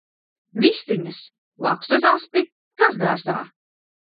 Vistiņas! Lapsas asti! Kas dārzā!